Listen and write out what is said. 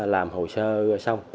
làm hồ sơ xong